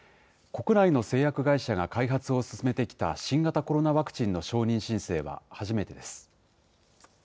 国内の製薬会社が開発を進めてきた新型コロナワクチンの承認申請は初めてです。